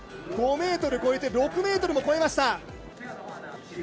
５ｍ越えて、６ｍも越えました。